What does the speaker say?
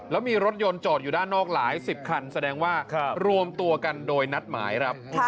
แล้วมีรถยนต์จอดอยู่ด้านนอกหลายสิบคันแสดงว่ารวมตัวกันโดยนัดหมายครับ